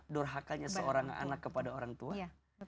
durhakanya seorang anak kepada orang tua